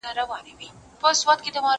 زه هره ورځ د لوبو لپاره وخت نيسم!؟